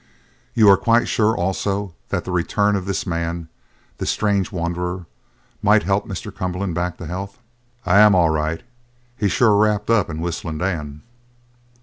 "You are quite sure, also, that the return of this man, this strange wanderer, might help Mr. Cumberland back to health?" "I am, all right. He's sure wrapped up in Whistlin' Dan."